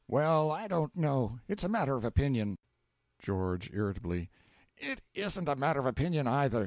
Well, I don't know; it's a matter of opinion. GEO. (Irritably.) It isn't a matter of opinion either.